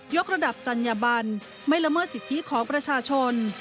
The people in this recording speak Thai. กระดับจัญญบันไม่ละเมิดสิทธิของประชาชน